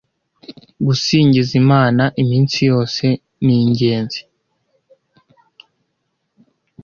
gusingiza Imana iminsi yose ningenzi